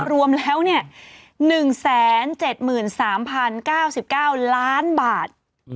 รวมแล้ว๑๗๓๐๙๙ล้านบาท